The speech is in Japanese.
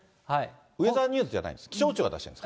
ウェザーニュースじゃないんですか。